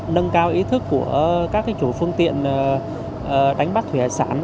nâng cao ý thức của các chủ phương tiện đánh bắt thủy hải sản